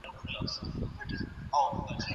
نړۍ به د سیاستپوهنې اهمیت ومني.